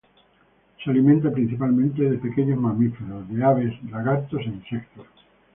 Se alimenta principalmente pequeños mamíferos, aves, lagartos e insectos.